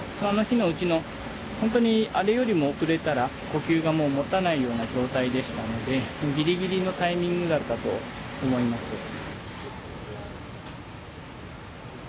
あの日のうちのほんとにあれよりも遅れたら呼吸がもうもたないような状態でしたのでギリギリのタイミングだったと思います。